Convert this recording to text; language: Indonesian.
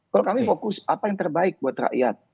kalau kami fokus apa yang terbaik buat rakyat